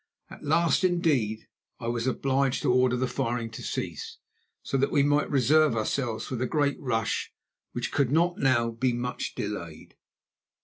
At last, indeed, I was obliged to order the firing to cease, so that we might reserve ourselves for the great rush which could not now be much delayed.